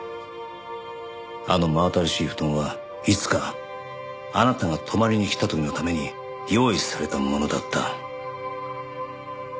あの真新しい布団はいつかあなたが泊まりに来た時のために用意されたものだった。